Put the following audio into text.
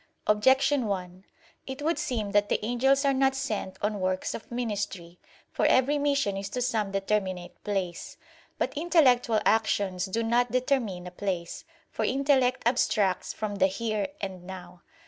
Objection 1: It would seem that the angels are not sent on works of ministry. For every mission is to some determinate place. But intellectual actions do not determine a place, for intellect abstracts from the "here" and "now."